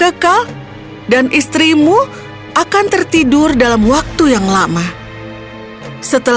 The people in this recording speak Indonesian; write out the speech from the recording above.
aku hanya ingin tempat berteduh dan juga makan malam yang hangat